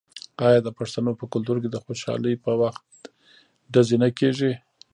آیا د پښتنو په کلتور کې د خوشحالۍ په وخت ډزې نه کیږي؟